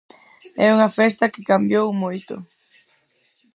É unha festa que cambiou moito.